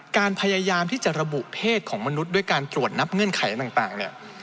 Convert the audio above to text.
พยายามที่จะระบุเพศของมนุษย์ด้วยการตรวจนับเงื่อนไขต่างเนี่ย